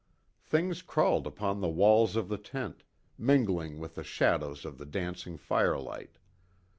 Things crawled upon the walls of the tent, mingling with the shadows of the dancing firelight.